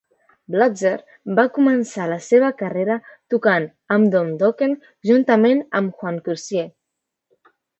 Blotzer va començar la seva carrera tocant amb Don Dokken juntament amb Juan Croucier.